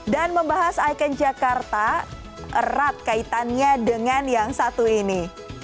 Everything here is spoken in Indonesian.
dan membahas ikon jakarta erat kaitannya dengan yang satu ini